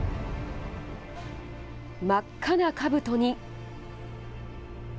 真っ赤なかぶとに。